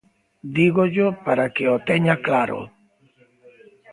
Dígollo para que o teña claro.